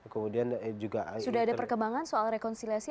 sudah ada perkembangan soal rekonsiliasi